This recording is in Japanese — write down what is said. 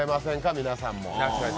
皆さんも。